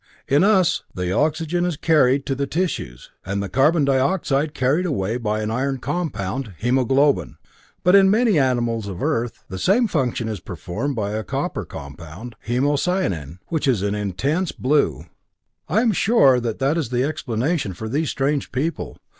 In us, the oxygen is carried to the tissues, and the carbon dioxide carried away by an iron compound, hemoglobin, but in many animals of Earth, the same function is performed by a copper compound, hemocyanin, which is an intense blue. I am sure that that is the explanation for these strange people.